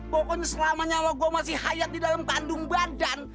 pokoknya selama nyawa gua masih hayat di dalam kandung badan